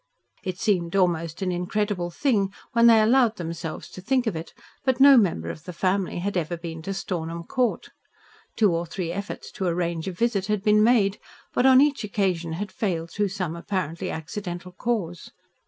It seemed almost an incredible thing, when they allowed themselves to think of it, but no member of the family had ever been to Stornham Court. Two or three efforts to arrange a visit had been made, but on each occasion had failed through some apparently accidental cause.